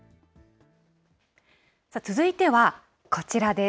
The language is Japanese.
続いてはこちらです。